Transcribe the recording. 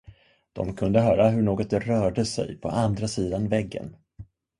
De kunde höra hur något rörde sig på andra sidan väggen.